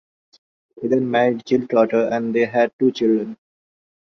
He then married Jill Trotter and they had two children.